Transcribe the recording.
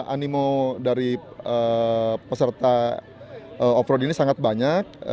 animo dari peserta offroad ini sangat banyak